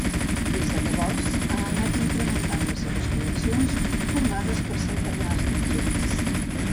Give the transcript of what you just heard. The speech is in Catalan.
Des de llavors, ha anat incrementant les seves col·leccions, formades per centenars d'objectes.